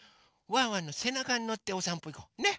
ワンワンのせなかにのっておさんぽいこう。ね？